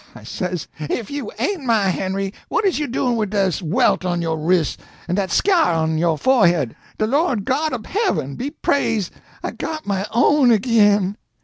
I says, 'if you an't my Henry, what is you doin' wid dis welt on yo' wris' an' dat sk yar on yo' forehead? De Lord God ob heaven be praise', I got my own ag'in!'